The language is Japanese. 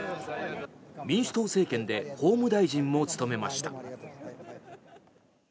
民主党政権で法務大臣も務めました。